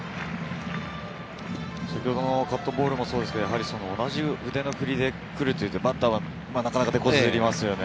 先ほどのカットボールもそうですが、同じ腕の振りでくるというと、バッターは手こずりますよね。